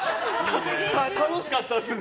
楽しかったですね。